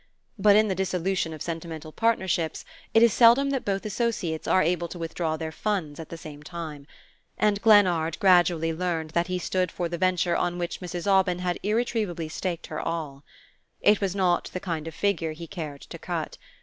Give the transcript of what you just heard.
But in the dissolution of sentimental partnerships it is seldom that both associates are able to withdraw their funds at the same time; and Glennard gradually learned that he stood for the venture on which Mrs. Aubyn had irretrievably staked her all. It was not the kind of figure he cared to cut.